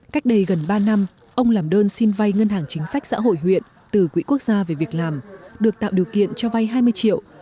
cách đây gần ba năm ông làm đơn xin vay ngân hàng chính sách xã hội huyện từ quỹ quốc gia về việc làm được tạo điều kiện cho vay hai mươi triệu